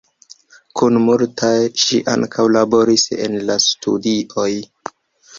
Kun multaj ŝi ankaŭ laboris en la studioj.